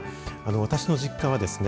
私の実家はですね